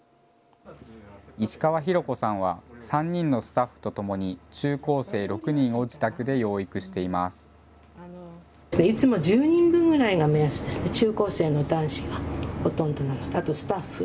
石川浩子さんは３人のスタッフとともに中高生６人を自宅で養育しています。